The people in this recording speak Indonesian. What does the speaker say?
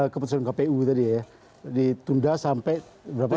keputusan kpu tadi ya ditunda sampai berapa tahun